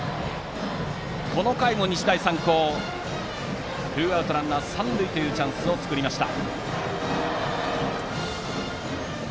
この回も日大三高ツーアウト、ランナー三塁のチャンスを作りました。